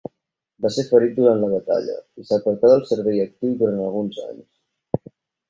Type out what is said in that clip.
Va ser ferit durant la batalla i s'apartà del servei actiu durant alguns anys.